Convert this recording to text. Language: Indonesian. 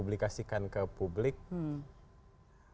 saya juga nggak nyangka ternyata di ppr